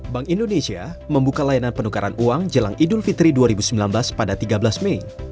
bank indonesia membuka layanan penukaran uang jelang idul fitri dua ribu sembilan belas pada tiga belas mei